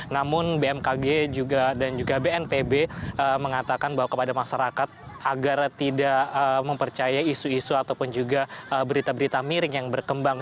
namun bmkg dan juga bnpb mengatakan bahwa kepada masyarakat agar tidak mempercaya isu isu ataupun juga berita berita miring yang berkembang